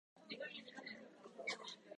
日本で初めて、女性総理大臣が誕生した。